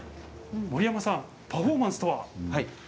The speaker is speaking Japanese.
森山さん、パフォーマンスとは？